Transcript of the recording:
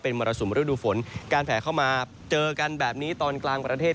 มรสุมฤดูฝนการแผ่เข้ามาเจอกันแบบนี้ตอนกลางประเทศ